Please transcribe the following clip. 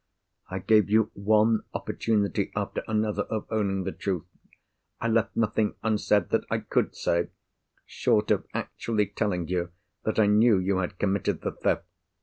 I gave you one opportunity after another of owning the truth. I left nothing unsaid that I could say—short of actually telling you that I knew you had committed the theft.